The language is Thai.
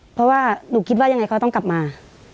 เพราะว่าหนูคิดว่ายังไงเขาต้องกลับมา